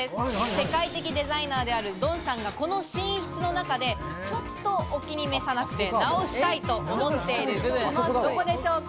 世界的デザイナーであるドンさんがこの寝室の中でちょっとお気に召さなくて直したいと思っている部分、それはどこでしょうか？